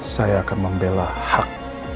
saya akan membela hak